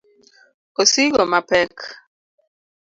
osigo mapek.